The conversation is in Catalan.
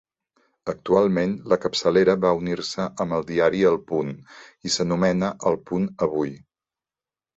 Actualment, la capçalera va unir-se amb el diari El Punt, i s'anomena El Punt Avui.